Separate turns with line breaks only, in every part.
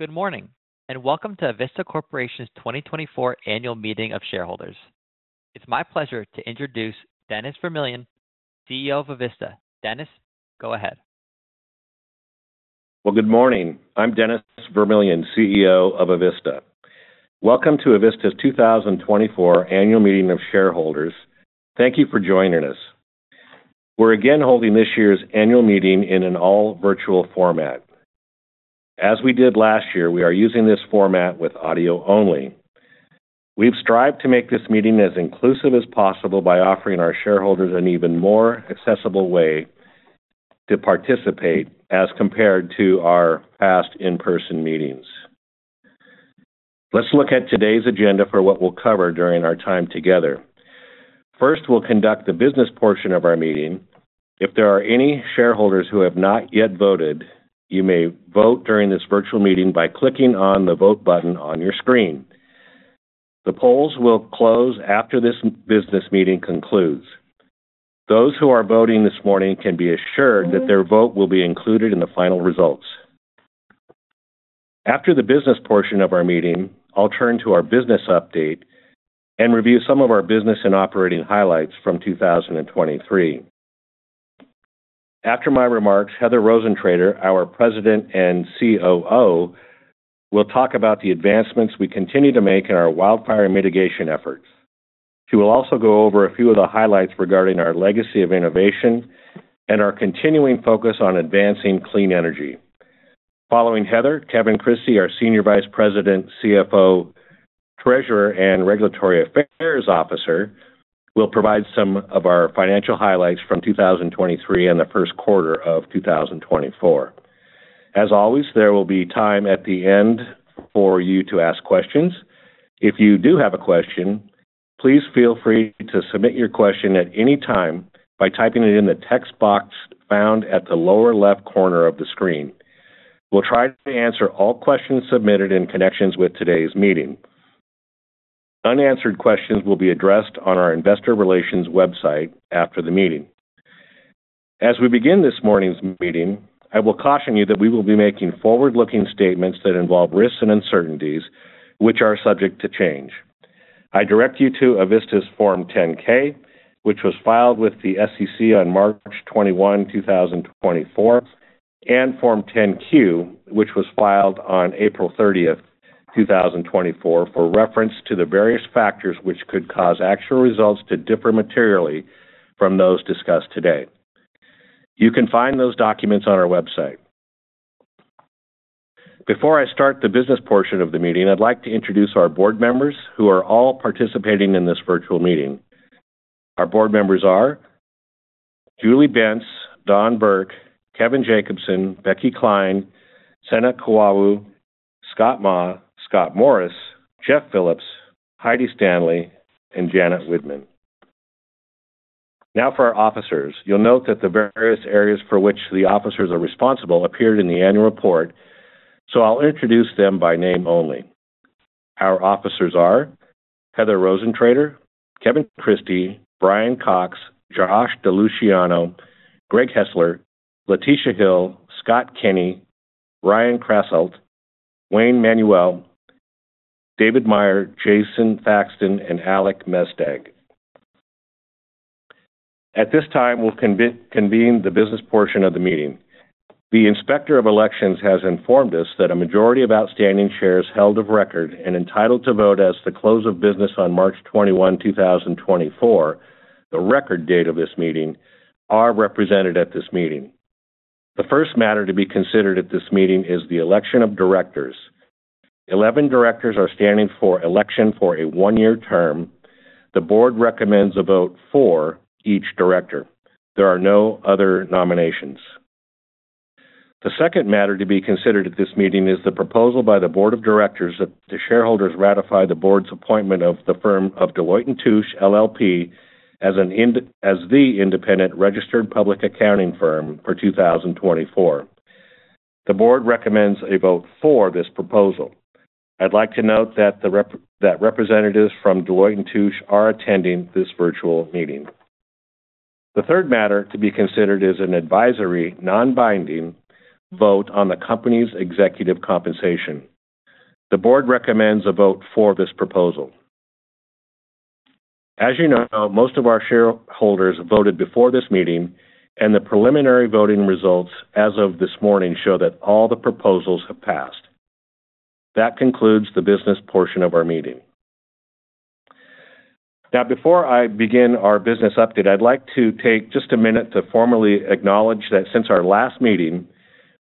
Good morning and welcome to Avista Corporation's 2024 Annual Meeting of Shareholders. It's my pleasure to introduce Dennis Vermillion, CEO of Avista. Dennis, go ahead.
Well, good morning. I'm Dennis Vermillion, CEO of Avista. Welcome to Avista's 2024 Annual Meeting of Shareholders. Thank you for joining us. We're again holding this year's annual meeting in an all-virtual format. As we did last year, we are using this format with audio only. We've strived to make this meeting as inclusive as possible by offering our shareholders an even more accessible way to participate as compared to our past in-person meetings. Let's look at today's agenda for what we'll cover during our time together. First, we'll conduct the business portion of our meeting. If there are any shareholders who have not yet voted, you may vote during this virtual meeting by clicking on the vote button on your screen. The polls will close after this business meeting concludes. Those who are voting this morning can be assured that their vote will be included in the final results. After the business portion of our meeting, I'll turn to our business update and review some of our business and operating highlights from 2023. After my remarks, Heather Rosentrater, our President and COO, will talk about the advancements we continue to make in our wildfire mitigation efforts. She will also go over a few of the highlights regarding our legacy of innovation and our continuing focus on advancing clean energy. Following Heather, Kevin Christie, our Senior Vice President, CFO, Treasurer, and Regulatory Affairs Officer, will provide some of our financial highlights from 2023 and the first quarter of 2024. As always, there will be time at the end for you to ask questions. If you do have a question, please feel free to submit your question at any time by typing it in the text box found at the lower left corner of the screen. We'll try to answer all questions submitted in connection with today's meeting. Unanswered questions will be addressed on our Investor Relations website after the meeting. As we begin this morning's meeting, I will caution you that we will be making forward-looking statements that involve risks and uncertainties, which are subject to change. I direct you to Avista's Form 10-K, which was filed with the SEC on March 21, 2024, and Form 10-Q, which was filed on April 30th, 2024, for reference to the various factors which could cause actual results to differ materially from those discussed today. You can find those documents on our website. Before I start the business portion of the meeting, I'd like to introduce our board members who are all participating in this virtual meeting. Our board members are Julie Bentz, Don Burke, Kevin Jacobsen, Rebecca Klein, Sena Kwawu, Scott Maw, Scott Morris, Jeffrey Philipps, Heidi Stanley, and Janet Widmann. Now, for our officers, you'll note that the various areas for which the officers are responsible appeared in the annual report, so I'll introduce them by name only. Our officers are Heather Rosentrater, Kevin Christie, Bryan Cox, Josh DiLuciano, Greg Hesler, Latisha Hill, Scott Kinney, Ryan Krasselt, Wayne Manuel, David Meyer, Jason Thackston, and Alec Mesdag. At this time, we'll convene the business portion of the meeting. The Inspector of Elections has informed us that a majority of outstanding shares held of record and entitled to vote as the close of business on March 21, 2024, the record date of this meeting, are represented at this meeting. The first matter to be considered at this meeting is the election of directors. 11 directors are standing for election for a one year term. The board recommends a vote for each director. There are no other nominations. The second matter to be considered at this meeting is the proposal by the Board of Directors that the shareholders ratify the board's appointment of the firm of Deloitte & Touche LLP as the independent registered public accounting firm for 2024. The board recommends a vote for this proposal. I'd like to note that representatives from Deloitte & Touche LLP are attending this virtual meeting. The third matter to be considered is an advisory, non-binding vote on the company's executive compensation. The board recommends a vote for this proposal. As you know, most of our shareholders voted before this meeting, and the preliminary voting results as of this morning show that all the proposals have passed. That concludes the business portion of our meeting. Now, before I begin our business update, I'd like to take just a minute to formally acknowledge that since our last meeting,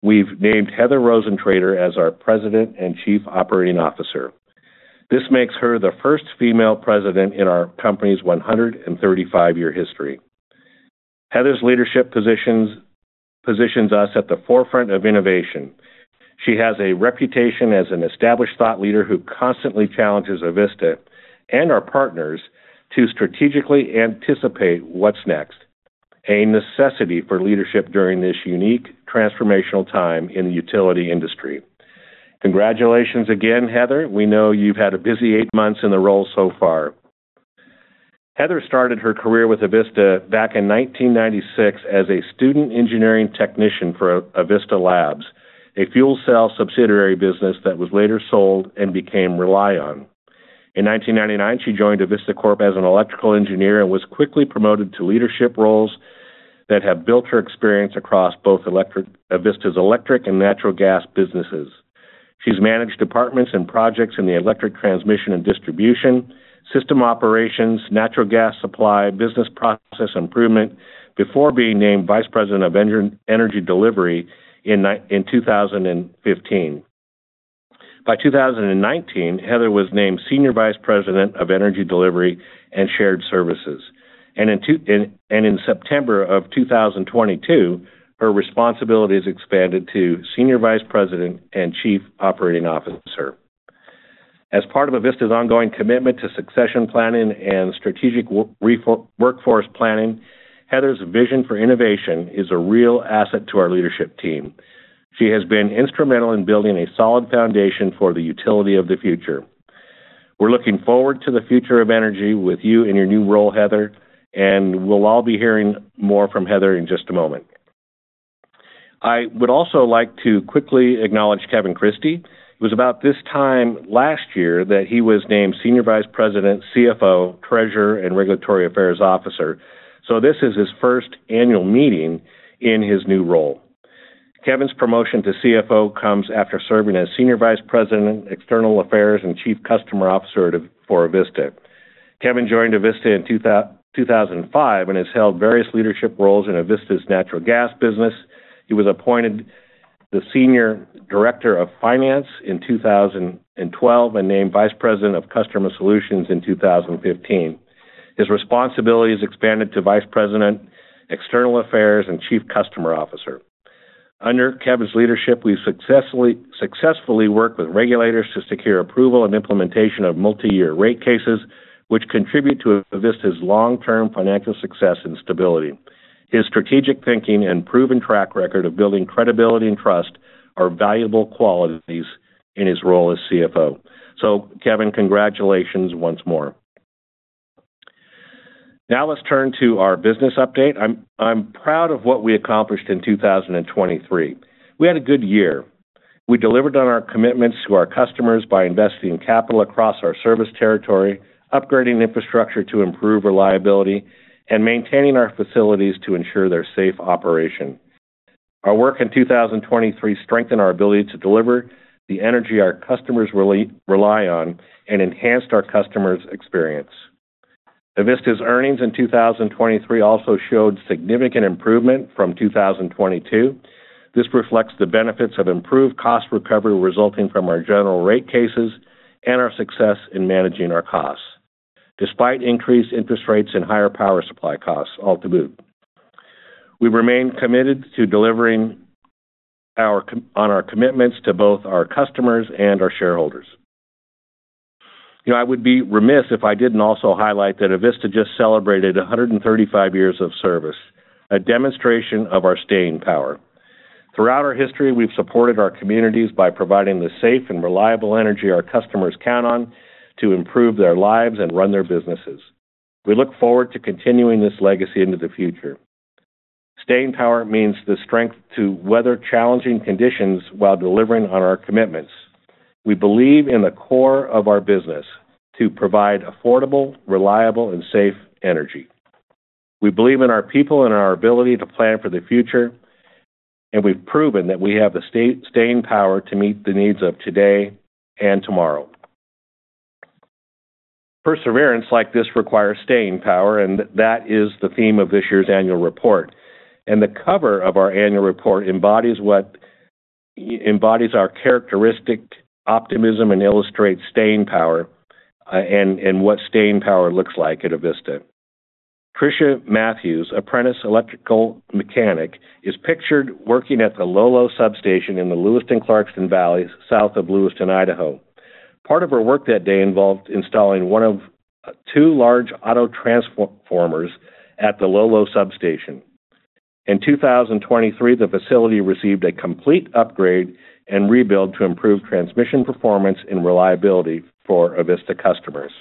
we've named Heather Rosentrater as our President and Chief Operating Officer. This makes her the first female president in our company's 135-year history. Heather's leadership positions us at the forefront of innovation. She has a reputation as an established thought leader who constantly challenges Avista and our partners to strategically anticipate what's next, a necessity for leadership during this unique transformational time in the utility industry. Congratulations again, Heather. We know you've had a busy eight months in the role so far. Heather started her career with Avista back in 1996 as a student engineering technician for Avista Labs, a fuel cell subsidiary business that was later sold and became ReliOn. In 1999, she joined Avista Corp as an electrical engineer and was quickly promoted to leadership roles that have built her experience across both Avista's electric and natural gas businesses. She's managed departments and projects in the electric transmission and distribution, system operations, natural gas supply, business process improvement, before being named Vice President of Energy Delivery in 2015. By 2019, Heather was named Senior Vice President of Energy Delivery and Shared Services, and in September of 2022, her responsibilities expanded to Senior Vice President and Chief Operating Officer. As part of Avista's ongoing commitment to succession planning and strategic workforce planning, Heather's vision for innovation is a real asset to our leadership team. She has been instrumental in building a solid foundation for the utility of the future. We're looking forward to the future of energy with you in your new role, Heather, and we'll all be hearing more from Heather in just a moment. I would also like to quickly acknowledge Kevin Christie. It was about this time last year that he was named Senior Vice President, CFO, Treasurer, and Regulatory Affairs Officer, so this is his first annual meeting in his new role. Kevin's promotion to CFO comes after serving as Senior Vice President, External Affairs, and Chief Customer Officer for Avista. Kevin joined Avista in 2005 and has held various leadership roles in Avista's natural gas business. He was appointed the Senior Director of Finance in 2012 and named Vice President of Customer Solutions in 2015. His responsibilities expanded to Vice President, External Affairs, and Chief Customer Officer. Under Kevin's leadership, we've successfully worked with regulators to secure approval and implementation of multi-year rate cases, which contribute to Avista's long-term financial success and stability. His strategic thinking and proven track record of building credibility and trust are valuable qualities in his role as CFO. So, Kevin, congratulations once more. Now let's turn to our business update. I'm proud of what we accomplished in 2023. We had a good year. We delivered on our commitments to our customers by investing capital across our service territory, upgrading infrastructure to improve reliability, and maintaining our facilities to ensure their safe operation. Our work in 2023 strengthened our ability to deliver the energy our customers rely on and enhanced our customers' experience. Avista's earnings in 2023 also showed significant improvement from 2022. This reflects the benefits of improved cost recovery resulting from our general rate cases and our success in managing our costs, despite increased interest rates and higher power supply costs, all to boot. We've remained committed on our commitments to both our customers and our shareholders. I would be remiss if I didn't also highlight that Avista just celebrated 135 years of service, a demonstration of our staying power. Throughout our history, we've supported our communities by providing the safe and reliable energy our customers count on to improve their lives and run their businesses. We look forward to continuing this legacy into the future. Staying power means the strength to weather challenging conditions while delivering on our commitments. We believe in the core of our business to provide affordable, reliable, and safe energy. We believe in our people and in our ability to plan for the future, and we've proven that we have the staying power to meet the needs of today and tomorrow. Perseverance like this requires staying power, and that is the theme of this year's annual report. The cover of our annual report embodies our characteristic optimism and illustrates staying power and what staying power looks like at Avista. Tricia Matthews, Apprentice Electrical Mechanic, is pictured working at the Lolo substation in the Lewiston-Clarkston Valley, south of Lewiston, Idaho. Part of her work that day involved installing one of two large autotransformers at the Lolo substation. In 2023, the facility received a complete upgrade and rebuild to improve transmission performance and reliability for Avista customers.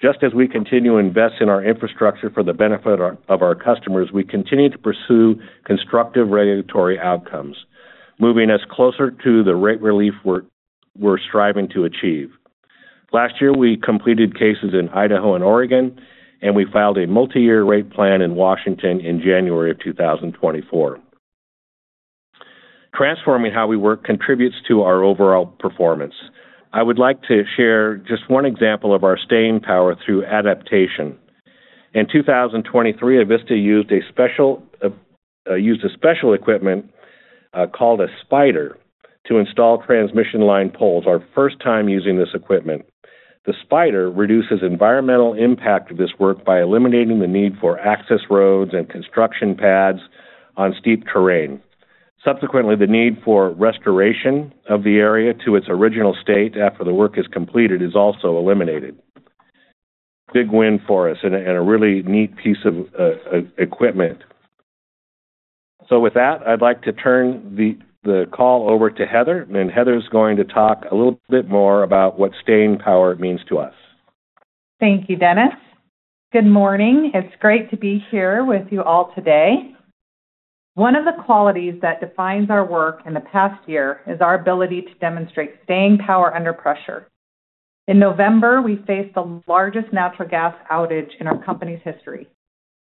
Just as we continue to invest in our infrastructure for the benefit of our customers, we continue to pursue constructive regulatory outcomes, moving us closer to the rate relief we're striving to achieve. Last year, we completed cases in Idaho and Oregon, and we filed a multi-year rate plan in Washington in January of 2024. Transforming how we work contributes to our overall performance. I would like to share just one example of our staying power through adaptation. In 2023, Avista used special equipment called a Spider to install transmission line poles, our first time using this equipment. The Spider reduces the environmental impact of this work by eliminating the need for access roads and construction pads on steep terrain. Subsequently, the need for restoration of the area to its original state after the work is completed is also eliminated. Big win for us and a really neat piece of equipment. So with that, I'd like to turn the call over to Heather, and Heather's going to talk a little bit more about what staying power means to us.
Thank you, Dennis. Good morning. It's great to be here with you all today. One of the qualities that defines our work in the past year is our ability to demonstrate staying power under pressure. In November, we faced the largest natural gas outage in our company's history.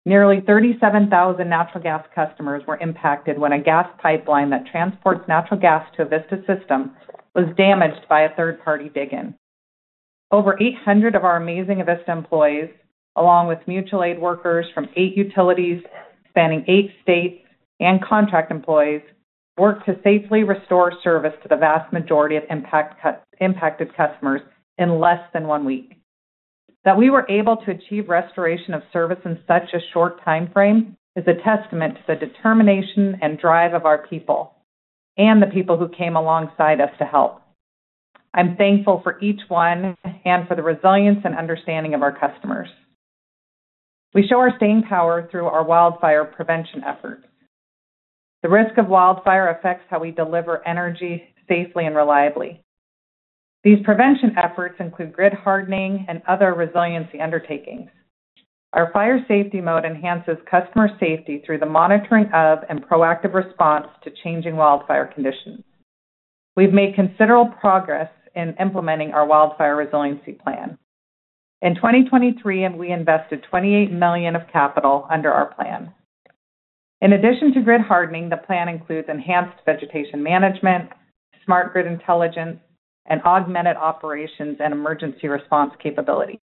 Nearly 37,000 natural gas customers were impacted when a gas pipeline that transports natural gas to Avista's system was damaged by a third-party dig-in. Over 800 of our amazing Avista employees, along with mutual aid workers from eight utilities spanning eight states and contract employees, worked to safely restore service to the vast majority of impacted customers in less than one week. That we were able to achieve restoration of service in such a short time frame is a testament to the determination and drive of our people and the people who came alongside us to help. I'm thankful for each one and for the resilience and understanding of our customers. We show our staying power through our wildfire prevention efforts. The risk of wildfire affects how we deliver energy safely and reliably. These prevention efforts include grid hardening and other resiliency undertakings. Our Fire Safety Mode enhances customer safety through the monitoring of and proactive response to changing wildfire conditions. We've made considerable progress in implementing our Wildfire Resiliency Plan. In 2023, we invested $28 million of capital under our plan. In addition to grid hardening, the plan includes enhanced vegetation management, smart grid intelligence, and augmented operations and emergency response capability.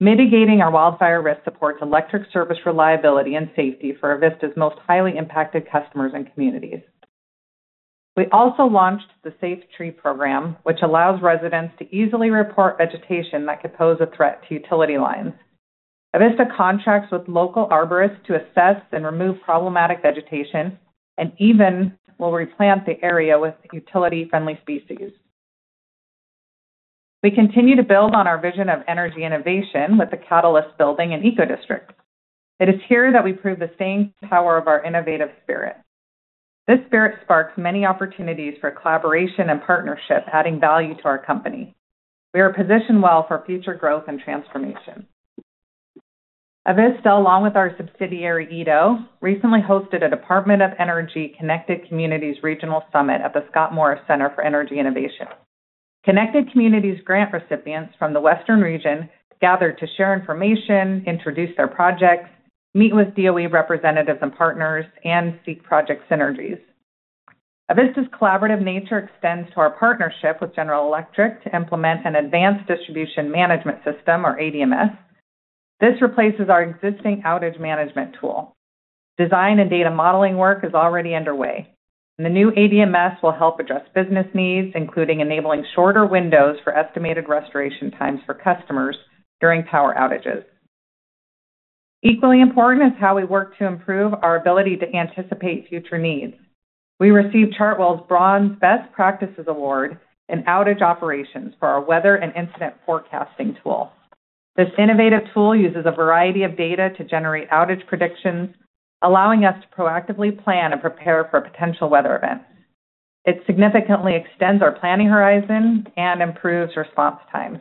Mitigating our wildfire risk supports electric service reliability and safety for Avista's most highly impacted customers and communities. We also launched the Safe Tree Program, which allows residents to easily report vegetation that could pose a threat to utility lines. Avista contracts with local arborists to assess and remove problematic vegetation and even will replant the area with utility-friendly species. We continue to build on our vision of energy innovation with the Catalyst Building and Eco District. It is here that we prove the staying power of our innovative spirit. This spirit sparks many opportunities for collaboration and partnership, adding value to our company. We are positioned well for future growth and transformation. Avista, along with our subsidiary Edo, recently hosted a Department of Energy Connected Communities Regional Summit at the Scott Morris Center for Energy Innovation. Connected Communities grant recipients from the Western Region gathered to share information, introduce their projects, meet with DOE representatives and partners, and seek project synergies. Avista's collaborative nature extends to our partnership with General Electric to implement an Advanced Distribution Management System, or ADMS. This replaces our existing outage management tool. Design and data modeling work is already underway, and the new ADMS will help address business needs, including enabling shorter windows for estimated restoration times for customers during power outages. Equally important is how we work to improve our ability to anticipate future needs. We received Chartwell's Bronze Best Practices Award in outage operations for our weather and incident forecasting tool. This innovative tool uses a variety of data to generate outage predictions, allowing us to proactively plan and prepare for potential weather events. It significantly extends our planning horizon and improves response times.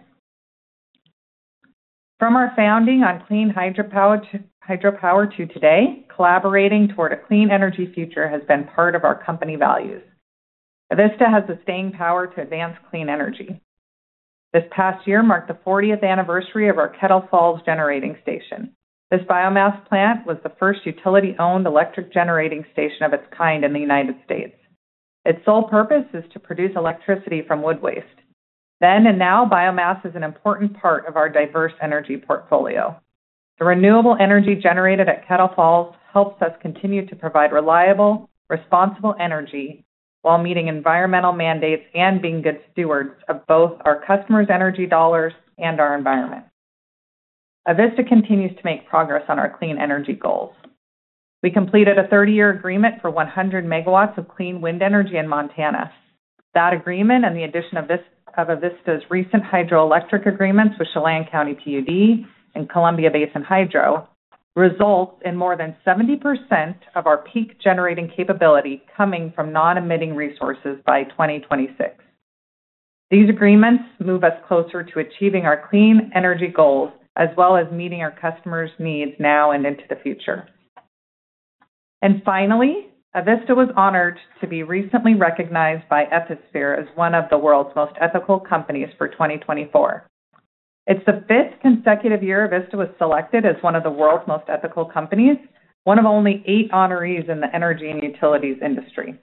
From our founding on clean hydropower to today, collaborating toward a clean energy future has been part of our company values. Avista has the staying power to advance clean energy. This past year marked the 40th anniversary of our Kettle Falls Generating Station. This biomass plant was the first utility-owned electric generating station of its kind in the United States. Its sole purpose is to produce electricity from wood waste. Then and now, biomass is an important part of our diverse energy portfolio. The renewable energy generated at Kettle Falls helps us continue to provide reliable, responsible energy while meeting environmental mandates and being good stewards of both our customers' energy dollars and our environment. Avista continues to make progress on our clean energy goals. We completed a 30-year agreement for 100 MW of clean wind energy in Montana. That agreement and the addition of Avista's recent hydroelectric agreements with Chelan County PUD and Columbia Basin Hydro results in more than 70% of our peak generating capability coming from non-emitting resources by 2026. These agreements move us closer to achieving our clean energy goals as well as meeting our customers' needs now and into the future. And finally, Avista was honored to be recently recognized by Ethisphere as one of the World's Most Ethical Companies for 2024. It's the fifth consecutive year Avista was selected as one of the World's Most Ethical Companies, one of only eight honorees in the energy and utilities industry.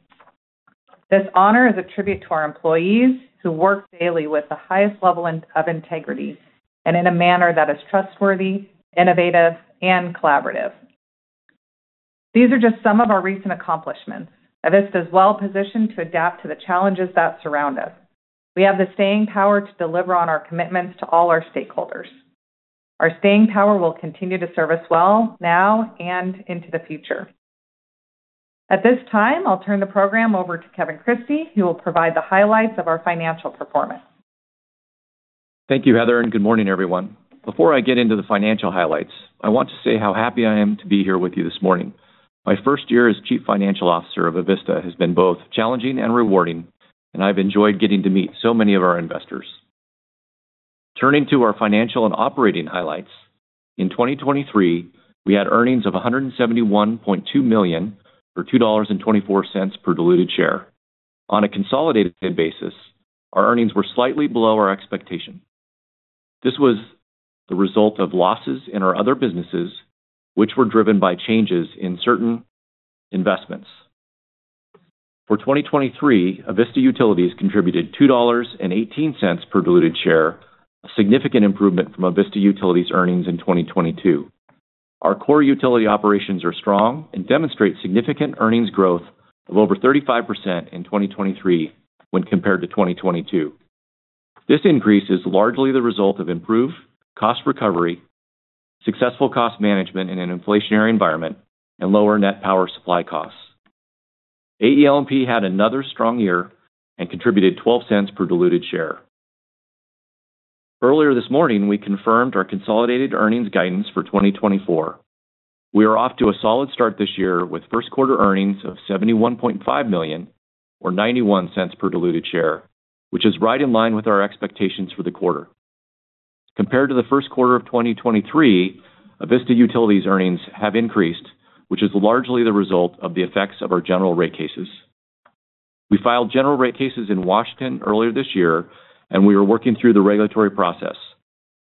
This honor is a tribute to our employees who work daily with the highest level of integrity and in a manner that is trustworthy, innovative, and collaborative. These are just some of our recent accomplishments. Avista is well positioned to adapt to the challenges that surround us. We have the staying power to deliver on our commitments to all our stakeholders. Our staying power will continue to service well now and into the future. At this time, I'll turn the program over to Kevin Christie, who will provide the highlights of our financial performance.
Thank you, Heather, and good morning, everyone. Before I get into the financial highlights, I want to say how happy I am to be here with you this morning. My first year as Chief Financial Officer of Avista has been both challenging and rewarding, and I've enjoyed getting to meet so many of our investors. Turning to our financial and operating highlights, in 2023, we had earnings of $171.2 million or $2.24 per diluted share. On a consolidated basis, our earnings were slightly below our expectation. This was the result of losses in our other businesses, which were driven by changes in certain investments. For 2023, Avista Utilities contributed $2.18 per diluted share, a significant improvement from Avista Utilities' earnings in 2022. Our core utility operations are strong and demonstrate significant earnings growth of over 35% in 2023 when compared to 2022. This increase is largely the result of improved cost recovery, successful cost management in an inflationary environment, and lower net power supply costs. AEL&P had another strong year and contributed $0.12 per diluted share. Earlier this morning, we confirmed our consolidated earnings guidance for 2024. We are off to a solid start this year with first-quarter earnings of $71.5 million or $0.91 per diluted share, which is right in line with our expectations for the quarter. Compared to the first quarter of 2023, Avista Utilities' earnings have increased, which is largely the result of the effects of our general rate cases. We filed general rate cases in Washington earlier this year, and we are working through the regulatory process.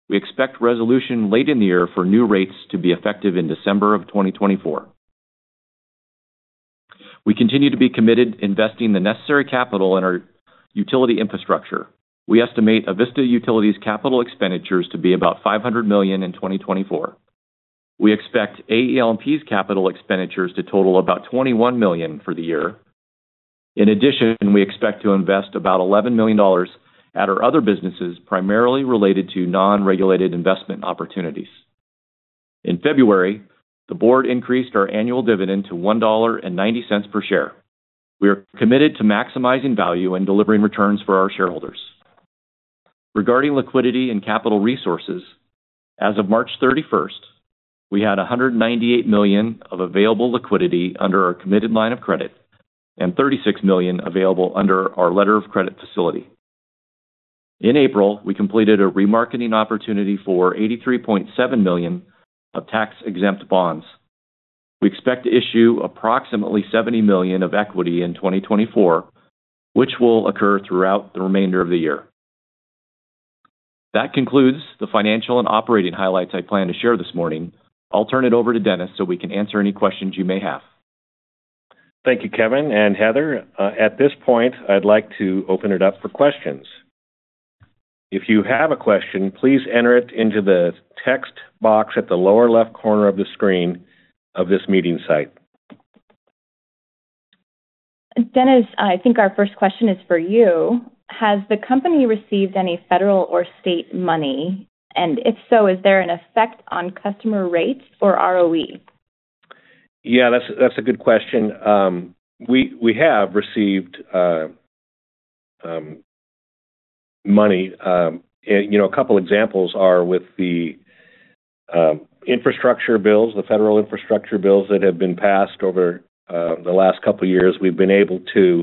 We expect resolution late in the year for new rates to be effective in December of 2024. We continue to be committed investing the necessary capital in our utility infrastructure. We estimate Avista Utilities' capital expenditures to be about $500 million in 2024. We expect AEL&P's capital expenditures to total about $21 million for the year. In addition, we expect to invest about $11 million at our other businesses, primarily related to non-regulated investment opportunities. In February, the board increased our annual dividend to $1.90 per share. We are committed to maximizing value and delivering returns for our shareholders. Regarding liquidity and capital resources, as of March 31st, we had $198 million of available liquidity under our committed line of credit and $36 million available under our letter of credit facility. In April, we completed a remarketing opportunity for $83.7 million of tax-exempt bonds. We expect to issue approximately $70 million of equity in 2024, which will occur throughout the remainder of the year. That concludes the financial and operating highlights I planned to share this morning. I'll turn it over to Dennis so we can answer any questions you may have.
Thank you, Kevin and Heather. At this point, I'd like to open it up for questions. If you have a question, please enter it into the text box at the lower left corner of the screen of this meeting site.
Dennis, I think our first question is for you. Has the company received any federal or state money? And if so, is there an effect on customer rates or ROE?
Yeah, that's a good question. We have received money. A couple of examples are with the infrastructure bills, the federal infrastructure bills that have been passed over the last couple of years. We've been able to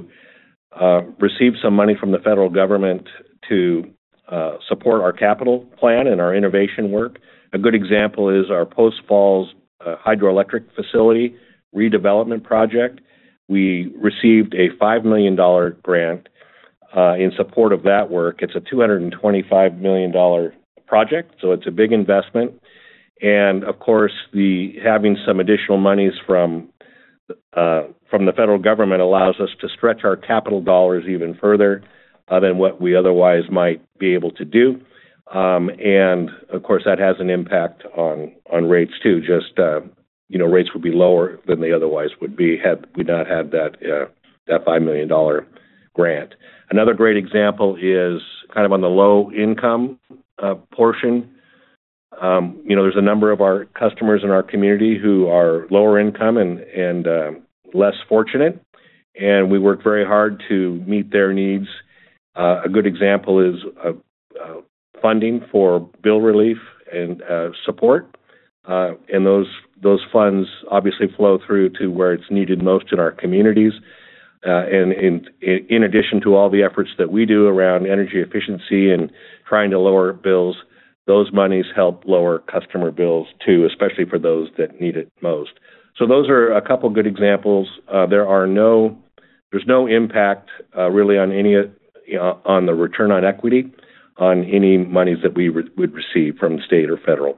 receive some money from the federal government to support our capital plan and our innovation work. A good example is our Post Falls hydroelectric facility redevelopment project. We received a $5 million grant in support of that work. It's a $225 million project, so it's a big investment. Of course, having some additional monies from the federal government allows us to stretch our capital dollars even further than what we otherwise might be able to do. Of course, that has an impact on rates too. Just rates would be lower than they otherwise would be had we not had that $5 million grant. Another great example is kind of on the low-income portion. There's a number of our customers in our community who are lower-income and less fortunate, and we work very hard to meet their needs. A good example is funding for bill relief and support. Those funds obviously flow through to where it's needed most in our communities. In addition to all the efforts that we do around energy efficiency and trying to lower bills, those monies help lower customer bills too, especially for those that need it most. So those are a couple of good examples. There's no impact really on the return on equity on any monies that we would receive from state or federal.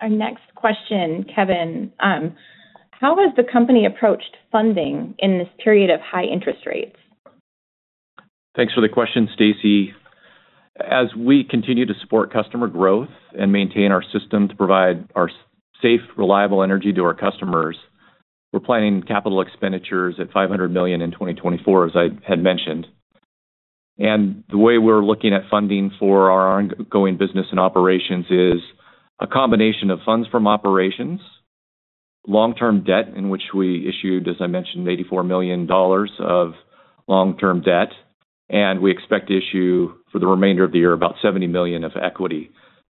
Our next question, Kevin. How has the company approached funding in this period of high interest rates?
Thanks for the question, Stacey. As we continue to support customer growth and maintain our system to provide our safe, reliable energy to our customers, we're planning capital expenditures at $500 million in 2024, as I had mentioned. The way we're looking at funding for our ongoing business and operations is a combination of funds from operations, long-term debt in which we issued, as I mentioned, $84 million of long-term debt, and we expect to issue for the remainder of the year about $70 million of equity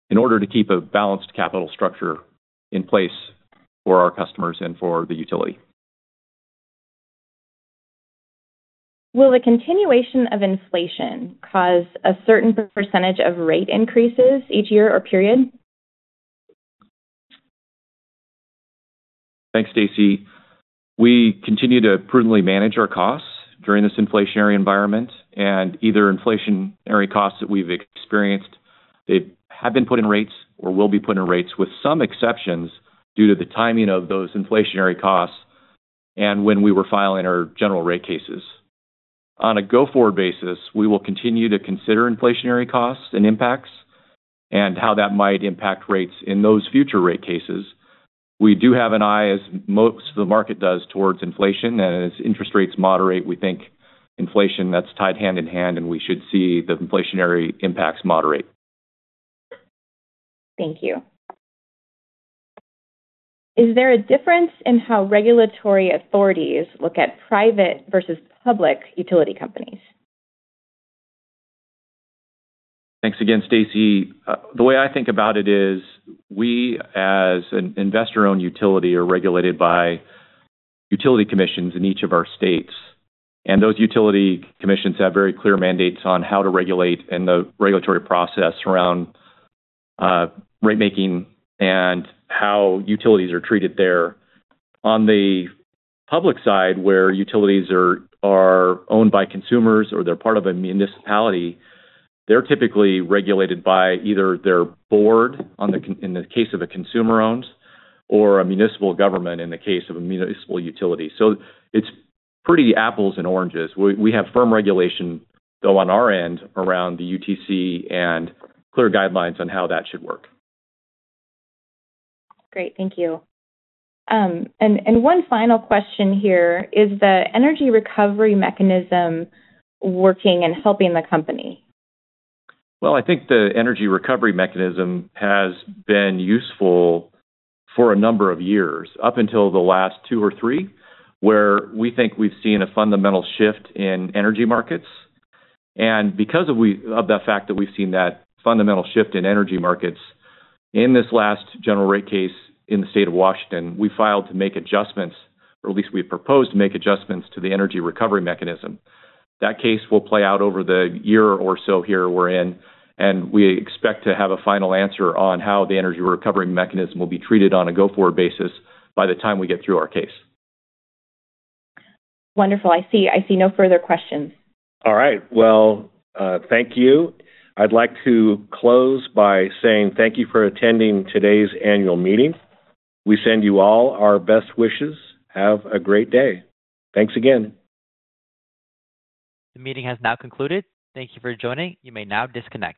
in order to keep a balanced capital structure in place for our customers and for the utility.
Will the continuation of inflation cause a certain percentage of rate increases each year or period?
Thanks, Stacey. We continue to prudently manage our costs during this inflationary environment. Either inflationary costs that we've experienced, they have been put in rates or will be put in rates with some exceptions due to the timing of those inflationary costs and when we were filing our general rate cases. On a go-forward basis, we will continue to consider inflationary costs and impacts and how that might impact rates in those future rate cases. We do have an eye, as most of the market does, towards inflation. And as interest rates moderate, we think inflation, that's tied hand in hand, and we should see the inflationary impacts moderate.
Thank you. Is there a difference in how regulatory authorities look at private versus public utility companies?
Thanks again, Stacey. The way I think about it is we, as an investor-owned utility, are regulated by utility commissions in each of our states. Those utility commissions have very clear mandates on how to regulate and the regulatory process around ratemaking and how utilities are treated there. On the public side, where utilities are owned by consumers or they're part of a municipality, they're typically regulated by either their board in the case of a consumer-owned or a municipal government in the case of a municipal utility. So it's pretty apples and oranges. We have firm regulation, though, on our end around the UTC and clear guidelines on how that should work.
Great. Thank you. And one final question here. Is the Energy Recovery Mechanism working and helping the company?
Well, I think the Energy Recovery Mechanism has been useful for a number of years, up until the last two or three, where we think we've seen a fundamental shift in energy markets. Because of the fact that we've seen that fundamental shift in energy markets, in this last General Rate Case in the State of Washington, we filed to make adjustments, or at least we proposed to make adjustments to the Energy Recovery Mechanism. That case will play out over the year or so here we're in, and we expect to have a final answer on how the Energy Recovery Mechanism will be treated on a go-forward basis by the time we get through our case.
Wonderful. I see no further questions.
All right. Well, thank you. I'd like to close by saying thank you for attending today's annual meeting. We send you all our best wishes. Have a great day. Thanks again.
The meeting has now concluded. Thank you for joining. You may now disconnect.